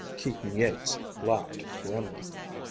Keaton Yeats laughed grimly.